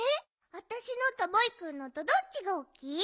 あたしのとモイくんのとどっちがおっきい？